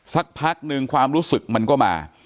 สักพักหนึ่งความรู้สึกมันก็มา